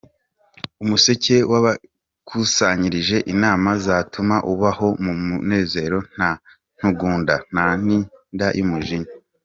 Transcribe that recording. Umuseke wabakusanyirije inama zatuma ubaho mu munezero nta ntugunda, nta n’inda y’umujinya.